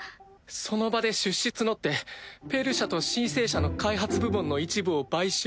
その場で出資募って「ペイル社」と「シン・セー社」の開発部門の一部を買収。